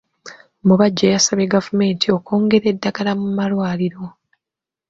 Mubajje yasabye gavumenti okwongera eddagala mu malwaliro.